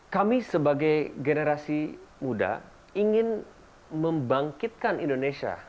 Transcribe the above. kami sebagai generasi muda ingin membangkitkan indonesia